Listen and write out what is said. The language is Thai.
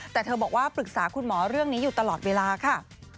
แต่เธอบอกว่าปรึกษาคุณหมอเรื่องนี้อยู่ตลอดเวลาค่ะ